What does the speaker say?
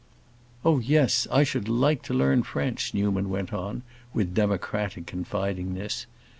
"Oh yes, I should like to learn French," Newman went on, with democratic confidingness.